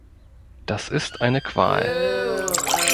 Das ist eine Qual.